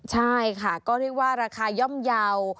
ใช่ค่ะก็เรียกว่าราคาย่อมเยาว์